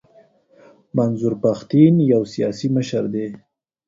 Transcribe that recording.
منظور پښتین یو سیاسي مشر دی.